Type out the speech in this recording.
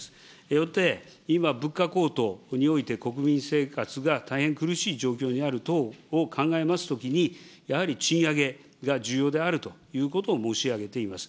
よって、今、物価高騰において国民生活が大変苦しい状況にある等を考えますときに、やはり賃上げが重要であるということを申し上げています。